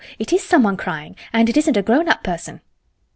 It is someone crying—and it isn't a grown up person."